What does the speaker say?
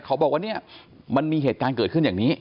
เขาบอกว่าเนี่ยมันมีเหตุการณ์เกิดขึ้นอย่างนี้